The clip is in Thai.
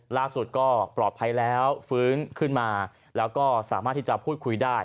ล่าสุดก็ปลอดภัยแล้วฟื้นขึ้นมาแล้วก็สามารถที่จะพูดคุยได้